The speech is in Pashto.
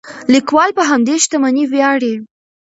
لیکوال په همدې شتمنۍ ویاړي.